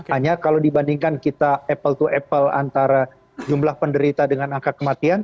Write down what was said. hanya kalau dibandingkan kita apple to apple antara jumlah penderita dengan angka kematian